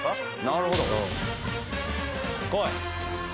なるほど来い！